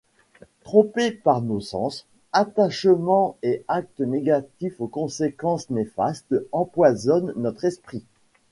Trompé par nos sens, attachement et actes négatifs aux conséquences néfastes empoisonnent notre esprit.